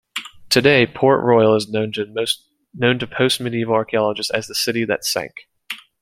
Today, Port Royal is known to post-medieval archaeologists as the "City that Sank".